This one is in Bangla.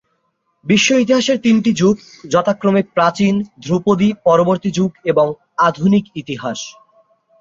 বিশ্ব ইতিহাসের তিনটি যুগ যথাক্রমে প্রাচীন, ধ্রুপদী পরবর্তী যুগ, এবং আধুনিক ইতিহাস।